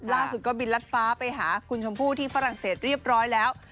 ล่าสุดก็บินรัดฟ้าไปหาคุณชมพู่ที่ฝรั่งเศสเรียบร้อยแล้ว